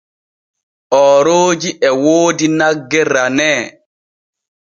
Oorooji e woodi nagge ranee.